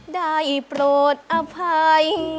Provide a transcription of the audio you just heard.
ได้โปรดอภัย